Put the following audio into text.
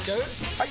・はい！